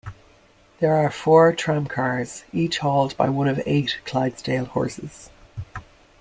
There are four tramcars, each hauled by one of eight Clydesdale horses.